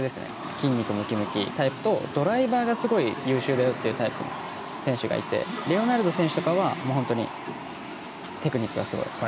筋肉ムキムキタイプとドライバーがすごい優秀なタイプがいてレオナルド選手とかは本当にテクニックがすごい。